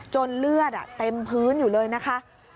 เลือดเต็มพื้นอยู่เลยนะคะ